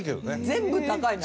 全部高いな。